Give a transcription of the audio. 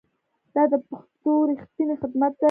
دا د پښتو ریښتینی خدمت دی.